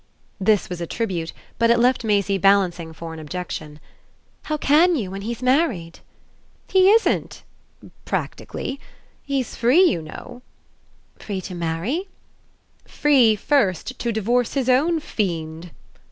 This was a tribute, but it left Maisie balancing for an objection. "How CAN you when he's married?" "He isn't practically. He's free, you know." "Free to marry?" "Free, first, to divorce his own fiend."